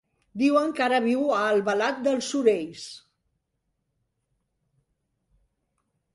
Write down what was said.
Diuen que ara viu a Albalat dels Sorells.